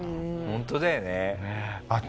本当だよね。